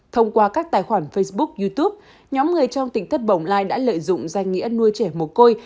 thông qua các tài khoản facebook youtube nhóm người trong tỉnh thất bồng lai đã lợi dụng danh nghĩa nuôi trẻ mồ côi